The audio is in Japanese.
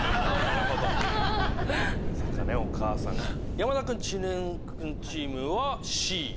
山田君・知念君チームはＣ。